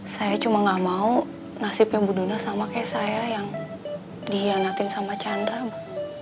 saya cuma gak mau nasibnya ibu nuna sama kayak saya yang dihianatin sama chandra bu